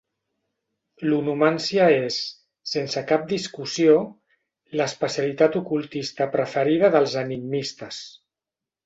L'onomància és, sense cap discussió, l'especialitat ocultista preferida dels enigmistes.